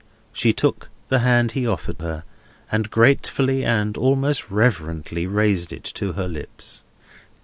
She took the hand he offered her, and gratefully and almost reverently raised it to her lips.